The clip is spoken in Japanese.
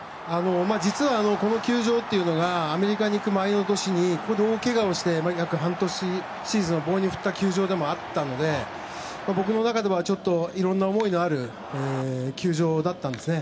実はこの球場がアメリカに行く前の年にここで大けがをして約半年、シーズンを棒に振った球場でもあったので僕の中ではちょっと、いろんな思いがある球場だったんですね。